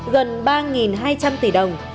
gần ba hai trăm linh tỷ đồng